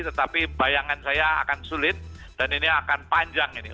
tetapi bayangan saya akan sulit dan ini akan panjang ini